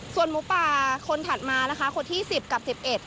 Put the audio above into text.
ส่วนหมูป่าคนถัดมานะคะคนที่๑๐กับ๑๑